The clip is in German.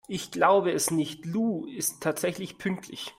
Ich glaube es nicht, Lou ist tatsächlich pünktlich!